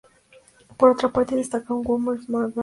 Por otra parte, destacan "Who is Mr Madman?